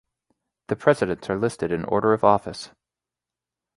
The presidents are listed in order of office.